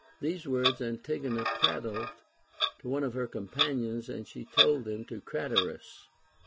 These \vords Antigona prat tled to one of her companions, and she told them to Cra terus.